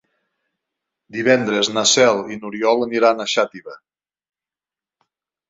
Divendres na Cel i n'Oriol aniran a Xàtiva.